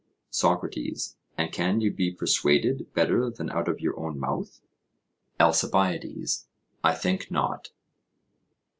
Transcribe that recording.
SOCRATES: And can you be persuaded better than out of your own mouth? ALCIBIADES: I think not.